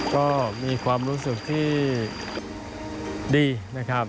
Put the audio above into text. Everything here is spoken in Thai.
ก็มีความรู้สึกที่ดีนะครับ